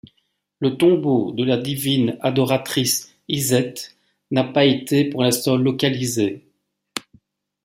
Le tombeau de la divine adoratrice Iset n'a pas été pour l'instant localisé.